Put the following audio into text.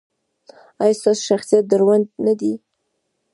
ایا ستاسو شخصیت دروند نه دی؟